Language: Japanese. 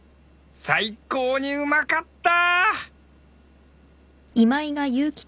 「最高に美味かった！！！」